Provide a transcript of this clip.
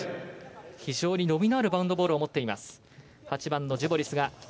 非常に伸びのあるバウンドボールを持っています。